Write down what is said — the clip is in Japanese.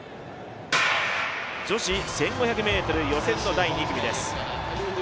女子１５００ｍ予選の第２組です。